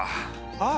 ああ！